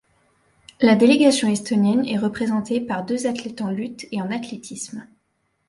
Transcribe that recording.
La délégation estonienne est représentée par deux athlètes en Lutte et en Athlétisme.